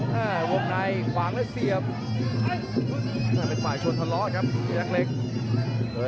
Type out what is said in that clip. วงในขวางแล้วเสียบเป็นฝ่ายชนทะเลาะครับพยักษ์เล็ก